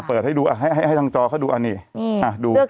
เปิดให้ดูอ่ะให้ให้ทางจอเขาดูอ่านนี่นี่อ่ะดูเลือก